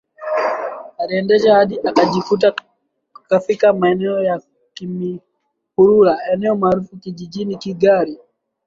Aliendesha hadi akajikuta kafika maeneo ya kimihurura eneo maarufu jijini Kigali